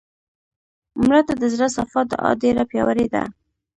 مړه ته د زړه صفا دعا ډېره پیاوړې ده